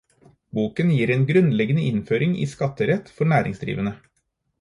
Boken gir en grunnleggende innføring i skatterett for næringsdrivende.